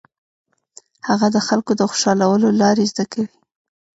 هغه د خلکو د خوشالولو لارې زده کوي.